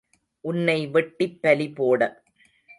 உன்னை வெட்டிப் பலி போட.